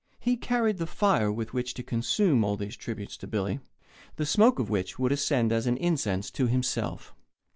He carried the fire with which to consume all these tributes to Billy, the smoke of which would ascend as an incense to himself.